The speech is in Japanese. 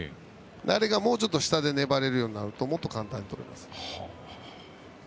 あれがもうちょっと下で粘れるようになるともっと簡単にとれます。